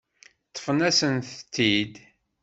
Ṭṭfen-asent-tent-id.